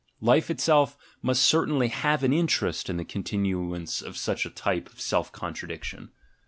— Life itself must certainly have an interest in the continuance of such a type of self con tradiction.